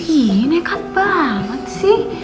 iiih nekat banget sih